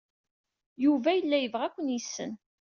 Yuba yella yebɣa ad ken-yessen.